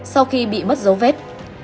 sau khi bị mất dấu vết